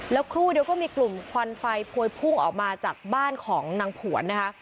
แล้วครู่เดียวก็มีกลุ่มควันไฟพวยพุ่งออกมาจากบ้านของนางผวนนะคะ